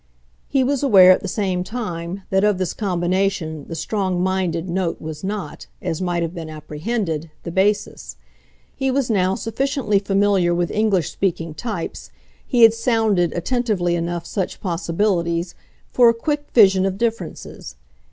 He was aware, at the same time, that of this combination the "strongminded" note was not, as might have been apprehended, the basis; he was now sufficiently familiar with English speaking types, he had sounded attentively enough such possibilities, for a quick vision of differences.